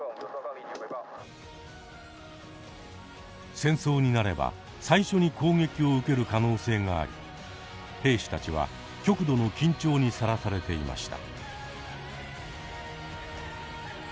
戦争になれば最初に攻撃を受ける可能性があり兵士たちは極度の緊張にさらされていました。